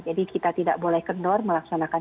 jadi kita tidak boleh kendor melaksanakan